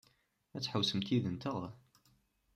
Ad tḥewwsemt yid-nteɣ?